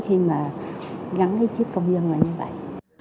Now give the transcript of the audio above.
khi mà gắn cái chip công dân là như vậy